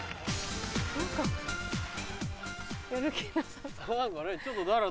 何かやる気なさそう。